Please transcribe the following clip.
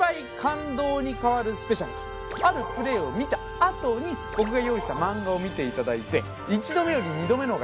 あるプレーを見た後に僕が用意した漫画を見ていただいて。